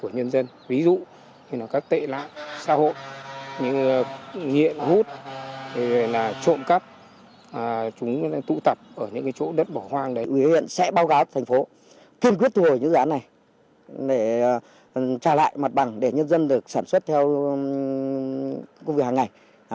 những dân được sản xuất theo công việc hàng ngày